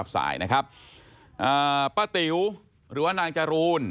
ป้าติ๋วหรือนางจรูน